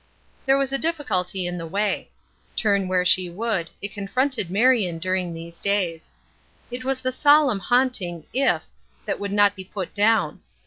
There was a difficulty in the way. Turn where she would, it confronted Marion during these days. There was a solemn haunting "if" that would not be put down.